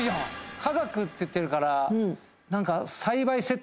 科学って言ってるからなんか。